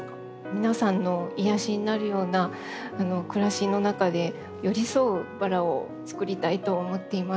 皆さんの癒やしになるような暮らしの中で寄り添うバラをつくりたいと思っています。